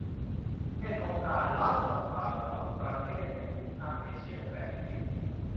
เป็นองค์การรัฐสภาระหว่างประเทศในภูมิภาคเอเชียและแปซิฟิก